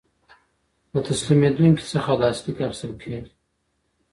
له تسلیمیدونکي څخه لاسلیک اخیستل کیږي.